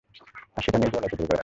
আর সেটা নিয়ে জল এতদূর গড়ায়।